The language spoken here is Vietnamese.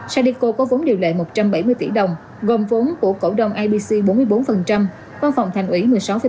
sadeco có vốn điều lệ một trăm bảy mươi tỷ đồng gồm vốn của cổ đồng abc bốn mươi bốn văn phòng thành ủy một mươi sáu bảy